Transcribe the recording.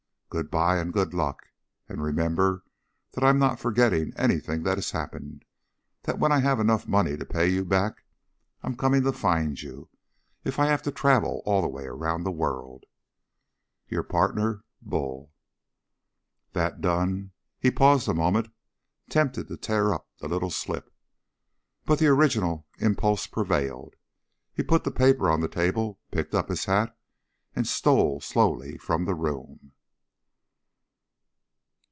Good bye and good luck, and remember that I'm not forgetting anything that has happened; that when I have enough money to pay you back I'm coming to find you if I have to travel all the way around the world._ Your pardner, BULL That done, he paused a moment, tempted to tear up the little slip. But the original impulse prevailed. He put the paper on the table, picked up his hat, and stole slowly from the room.